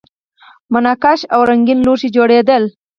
منقش او رنګین لوښي جوړیدل